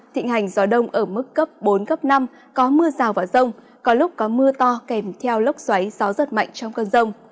thịnh hành gió đông ở mức cấp bốn cấp năm có mưa rào và rông có lúc có mưa to kèm theo lốc xoáy gió giật mạnh trong cơn rông